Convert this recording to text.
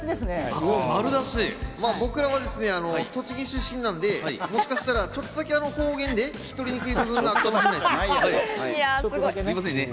僕らはですね、栃木出身なんで、もしかしたらちょっとだけ方言ね、聞き取りにくい部分がすみませんね。